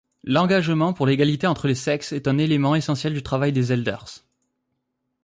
L'engagement pour l'égalité entre les sexes est un élément essentiel du travail des Elders.